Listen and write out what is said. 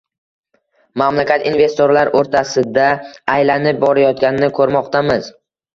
mamlakat investorlar o‘rtasida aylanib borayotganini ko‘rmoqdamiz.